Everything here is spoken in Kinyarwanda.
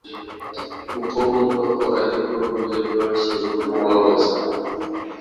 kuko bumva ko ari bwo buryo bworoshye bwo kubahoza,